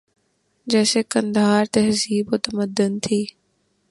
جیسے قندھارا تہذیب و تمدن تھی